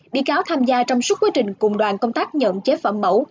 bị cáo tham gia trong suốt quá trình cùng đoàn công tác nhận chế phẩm mẫu